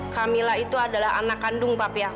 kamila itu adalah anak kandung papi aku